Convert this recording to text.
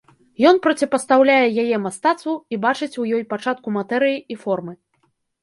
Ён проціпастаўляе яе мастацтву і бачыць у ёй пачатку матэрыі і формы.